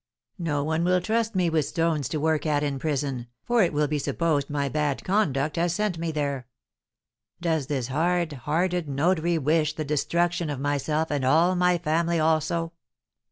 No one will trust me with stones to work at in prison, for it will be supposed my bad conduct has sent me there. Does this hard hearted notary wish the destruction of myself and all my family also?"